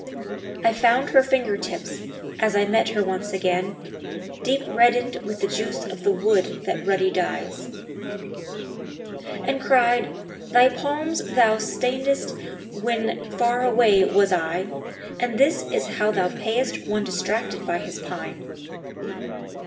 I found her finger tips, as I met her once again, Deep reddened with the juice of the wood that ruddy dyes;[FN#290] And cried, 'Thy palms thou stainedst when far away was I And this is how thou payest one distracted by his pine!'